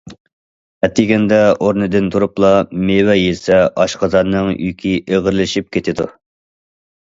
ئەتىگەندە ئورنىدىن تۇرۇپلا مېۋە يېسە ئاشقازاننىڭ يۈكى ئېغىرلىشىپ كېتىدۇ.